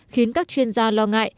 khiến các chuyên gia lo ngại